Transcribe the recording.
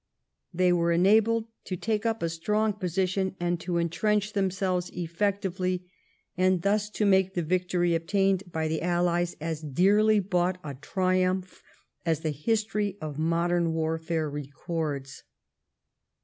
They were enabled to take up a strong position and to entrench themselves efiectively, and thus to make the victory obtained by the AUies as dearly bought a triumph as the history of modern warfare records.